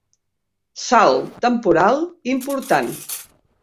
Salt temporal important.